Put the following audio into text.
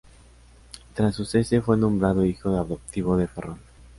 Tras su cese fue nombrado hijo adoptivo de Ferrol.